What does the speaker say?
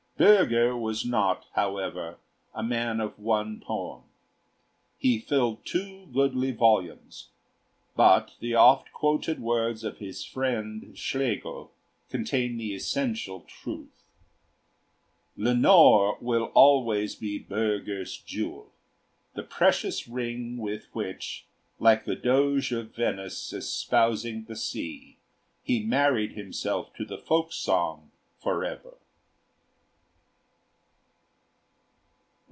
Bürger was not, however, a man of one poem. He filled two goodly volumes, but the oft quoted words of his friend Schlegel contain the essential truth: "'Lenore' will always be Bürger's jewel, the precious ring with which, like the Doge of Venice espousing the sea, he married himself to the folk song forever."